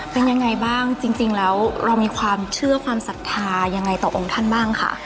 เป็นยังไงบ้างจริงแล้วเรามีความเชื่อความศรัทธายังไงต่อองค์ท่านบ้างค่ะ